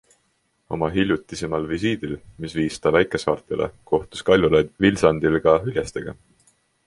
Oma hiljutisimal visiidil, mis viis ta väikesaartele, kohtus Kaljulaid Vilsandil ka hüljestega.